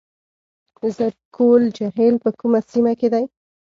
زرکول جهیل په کومه سیمه کې دی؟